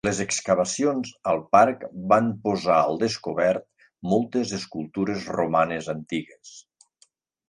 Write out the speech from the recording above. Les excavacions al parc van posar al descobert moltes escultures romanes antigues.